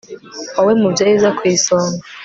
wowe mubyeyi uza ku isonga